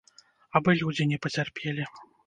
Абы людзі не пацярпелі.